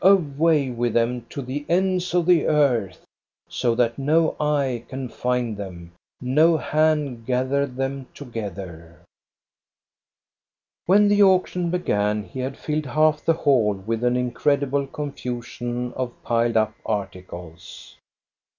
Away with them to the ends of the earth, so that no eye can find them, no hand gather them together ! When the auction began, he had filled half the hall with an incredible confusion of piled up articles.